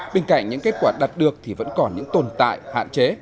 bên cạnh những kết quả đạt được thì vẫn còn những tồn tại hạn chế